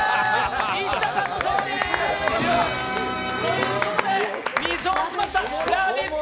石田さんの勝利！ということで、２勝しました、ラヴィット！